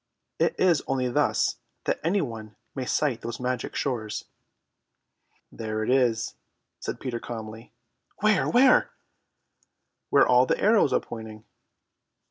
It is only thus that any one may sight those magic shores. "There it is," said Peter calmly. "Where, where?" "Where all the arrows are pointing."